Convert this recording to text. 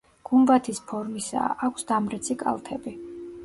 გუმბათის ფორმისაა, აქვს დამრეცი კალთები.